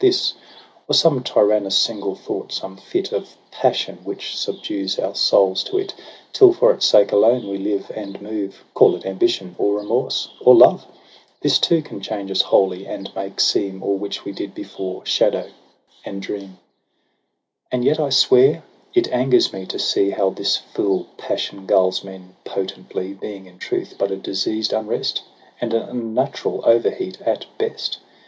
This, or some tyrannous single thought, some fit Of passion, which subdues our souls to it. Till for its sake alone we live and move — Call it ambition, or remorse, or love — This too can change us wholly, and make seem All which we did before, shadow and dream. TRISTRAM AND ISEULT. 225 And yet, I swear, it angers me to see How this fool passion gulls men potently; Being, in truth, but a diseased unrest, And an unnatural overheat at best.